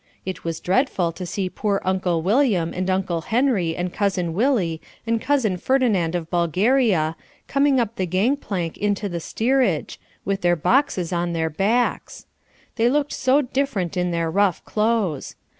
It was dreadful to see poor Uncle William and Uncle Henry and Cousin Willie and Cousin Ferdinand of Bulgaria, coming up the gang plank into the steerage, with their boxes on their backs. They looked so different in their rough clothes.